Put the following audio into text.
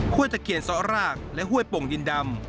ข้วยสัตเกณฑษระหรากและห้วยป่องดินดำ